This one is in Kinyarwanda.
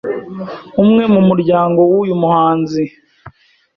Umwe mu muryango w’uyu muhanzi